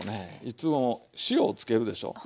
いつも塩をつけるでしょう。